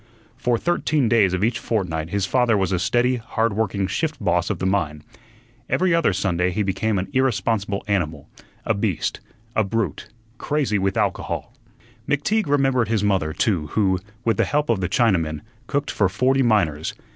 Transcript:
For thirteen days of each fortnight his father was a steady, hard working shift boss of the mine. Every other Sunday he became an irresponsible animal, a beast, a brute, crazy with alcohol. McTeague remembered his mother, too, who, with the help of the Chinaman, cooked for forty miners.